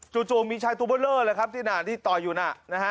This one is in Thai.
จู่มีชายธุบร่เลอร์เลยครับที่นานที่ต่อยอยู่นะ